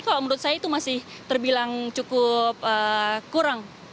kalau menurut saya itu masih terbilang cukup kurang